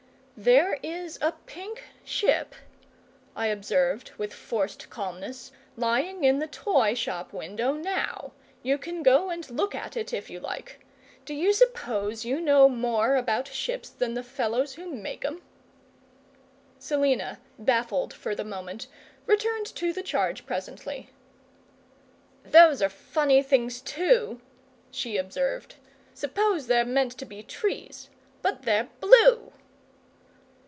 "There is a pink ship," I observed with forced calmness, "lying in the toy shop window now. You can go and look at it if you like. D'you suppose you know more about ships than the fellows who make 'em?" Selina, baffled for the moment, returned to the charge presently. "Those are funny things, too," she observed. "S'pose they're meant to be trees. But they're BLUE."